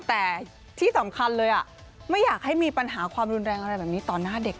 แต่ที่สำคัญเลยไม่อยากให้มีปัญหาความรุนแรงอะไรแบบนี้ต่อหน้าเด็ก